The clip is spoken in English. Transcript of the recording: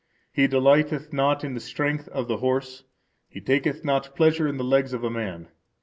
He delighteth not in the strength of the horse; He taketh not pleasure in the legs of a man.